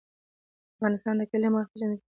افغانستان د کلي له مخې پېژندل کېږي.